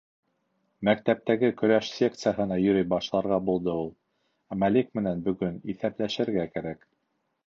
Мәктәптәге көрәш секцияһына йөрөй башларға булды ул. Ә Малик менән бөгөн иҫәпләшергә кәрәк.